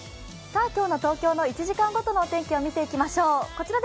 今日の東京の１時間ごとのお天気を見ていきましょう。